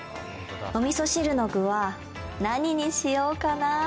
おみそ汁の具は何にしようかな？